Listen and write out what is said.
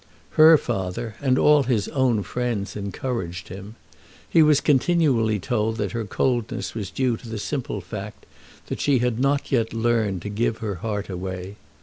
Her father and all his own friends encouraged him. He was continually told that her coldness was due to the simple fact that she had not yet learned to give her heart away.